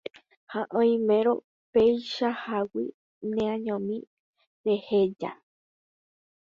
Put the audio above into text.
Ha oimérõ peichahágui neañomi rejehecha